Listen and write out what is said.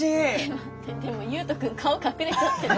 待ってでも悠人君顔隠れちゃってる。